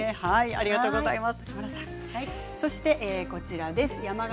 ありがとうございます。